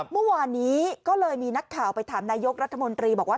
เมื่อวานนี้ก็เลยมีนักข่าวไปถามนายกรัฐมนตรีบอกว่า